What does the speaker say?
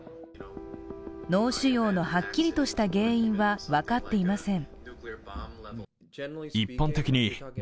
脳腫瘍のはっきりとした原因は分かっていません。